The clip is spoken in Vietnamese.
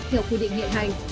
theo quy định hiện hành